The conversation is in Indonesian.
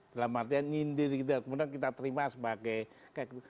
dalam artian nyindir gitu ya kemudian kita terima sebagai kayak gitu